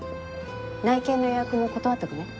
内見の予約も断っとくね。